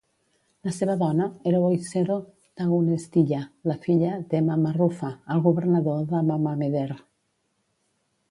La seva dona era Woizero Tagunestiya, la filla de Mama Rufa'el, governador de Mamameder.